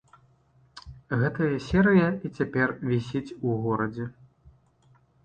Гэтая серыя і цяпер вісіць у горадзе.